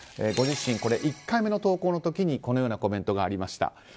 ご自身、１回目の投稿の時にこのようなコメントがありました。